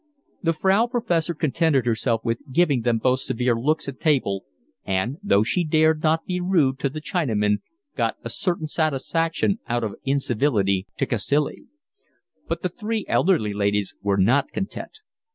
The Frau Professor contented herself with giving them both severe looks at table and, though she dared not be rude to the Chinaman, got a certain satisfaction out of incivility to Cacilie. But the three elderly ladies were not content.